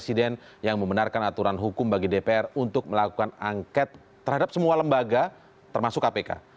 presiden yang membenarkan aturan hukum bagi dpr untuk melakukan angket terhadap semua lembaga termasuk kpk